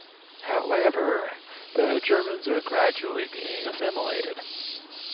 However, the Germans are gradually being assimilated.